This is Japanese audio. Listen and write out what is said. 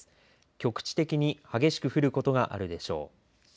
局地的に激しく降ることがあるでしょう。